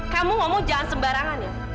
kamu ngomong jangan sembarangan nih